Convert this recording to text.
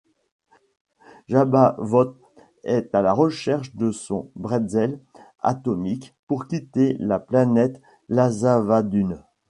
Jabavoth est à la recherche de son bretzel atomique pour quitter la planète Lazavadune.